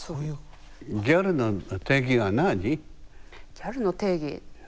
ギャルの定義は何？